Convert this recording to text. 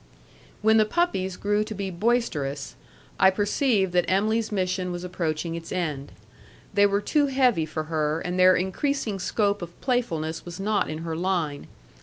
When the puppies grew to be boisterous, I perceived that Em'ly's mission was approaching its end. They were too heavy for her, and their increasing scope of playfulness was not in her line.